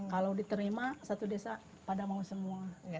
kalau diterima satu desa pada mau semua